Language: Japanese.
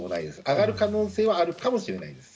上がる可能性はあるかもしれないです。